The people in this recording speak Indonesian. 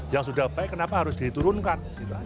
yang sudah baik kenapa harus diturunkan